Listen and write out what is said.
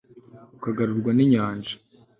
ukagarurwa n'inyanja